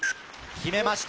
決めました！